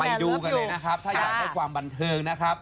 ไปดูกันเลยนะครับถ้าอยากได้ความบันเทิงนะครับ